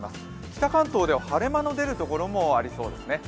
北関東では晴れ間の出るところもありそうですね。